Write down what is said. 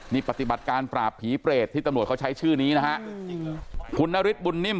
นี่ปฏิบัติการปราบผีเปรตที่ตำรวจเขาใช้ชื่อนี้นะฮะคุณนฤทธบุญนิ่ม